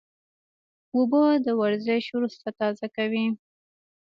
اوبه د ورزش وروسته تازه کوي